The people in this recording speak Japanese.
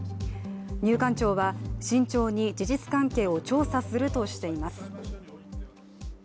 入管庁は慎重に事実関係を調査するとしています。